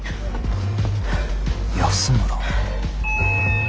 安村？